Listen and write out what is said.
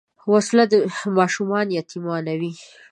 وسله ماشومان یتیمانوي